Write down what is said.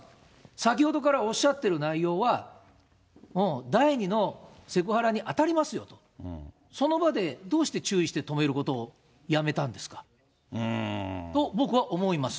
先ほどからおっしゃってる内容は、もう第２のセクハラに当たりますよと、その場で、どうして注意して止めることをやめたんですかと僕は思います。